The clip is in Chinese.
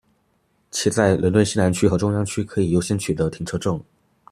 且在伦敦西南区和中央区可以优先取得停车证。